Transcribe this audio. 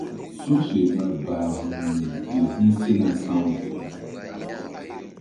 Su̧ fe ɓa bahu̧hmi ƴo hi̧ sena sa̧w.